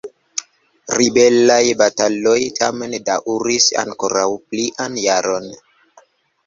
Ribelaj bataloj tamen daŭris ankoraŭ plian jaron.